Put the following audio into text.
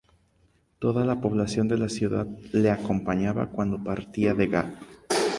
Toda la población de la ciudad le acompañaba cuando partía de Gap.